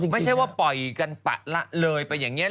ไม่ใช่ว่าปล่อยกันเลย